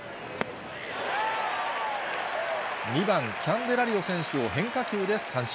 ２番キャンデラリオ選手を変化球で三振。